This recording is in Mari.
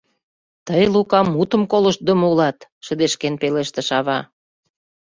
— Тый, Лука, мутым колыштдымо улат! — шыдешкен пелештыш ава.